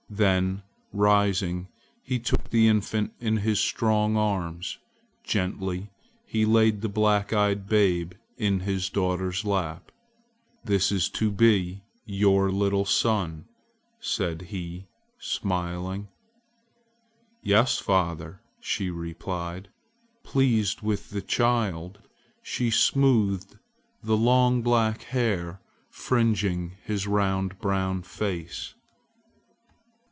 Then rising, he took the infant in his strong arms; gently he laid the black eyed babe in his daughter's lap. "This is to be your little son!" said he, smiling. "Yes, father," she replied. Pleased with the child, she smoothed the long black hair fringing his round brown face.